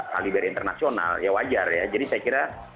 kali dari internasional ya wajar ya jadi saya kira